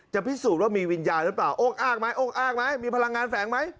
พิสูจน์ว่ามีวิญญาณหรือเปล่าโอ้อ้างไหมโอ้อ้างไหมมีพลังงานแฝงไหม